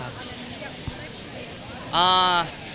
ครับ